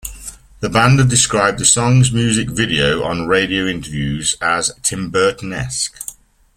The band have described the song's music video on radio interviews as Tim Burton-esque.